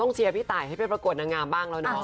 เชียร์พี่ตายให้ไปประกวดนางงามบ้างแล้วเนาะ